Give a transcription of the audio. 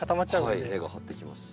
はい根が張ってきます。